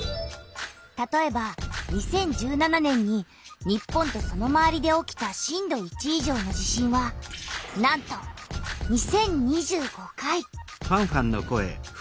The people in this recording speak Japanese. たとえば２０１７年に日本とそのまわりで起きた震度１以上の地震はなんと２０２５回！